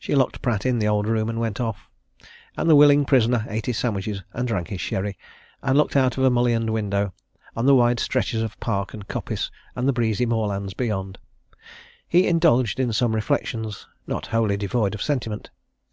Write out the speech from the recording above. She locked Pratt in the old room and went off, and the willing prisoner ate his sandwiches and drank his sherry, and looked out of a mullioned window on the wide stretches of park and coppice and the breezy moorlands beyond. He indulged in some reflections not wholly devoid of sentiment.